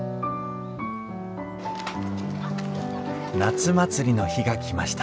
夏祭りの日が来ました